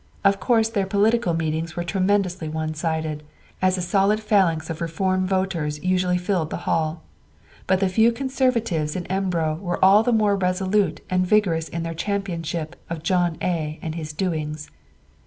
Of course their political meetings were tremendously one sided, as a solid phalanx of Reform voters usually filled the hall. But the few Conservatives in Embro were all the more resolute and vigorous in their championship of John A. and his doings.